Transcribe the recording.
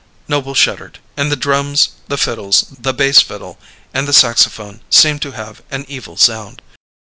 Noble shuddered, and the drums, the fiddles, the bass fiddle, and the saxophone seemed to have an evil sound.